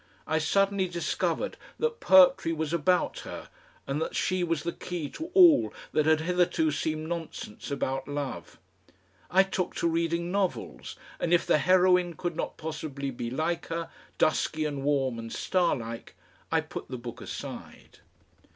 I suddenly discovered that poetry was about her and that she was the key to all that had hitherto seemed nonsense about love. I took to reading novels, and if the heroine could not possibly be like her, dusky and warm and starlike, I put the book aside....